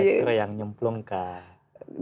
teknik elektro yang nyemplung ke ikan